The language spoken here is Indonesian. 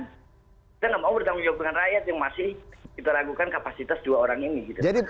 kita nggak mau bertanggung jawab dengan rakyat yang masih kita ragukan kapasitas dua orang ini gitu